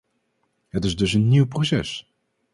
Het is dus een nieuw proces.